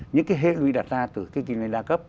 những hê lụy đặt ra từ kinh doanh đa cấp